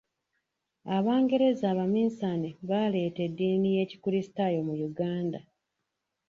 Abangereza abaminsane baaleeta eddiini y'Ekristaayo mu Uganda.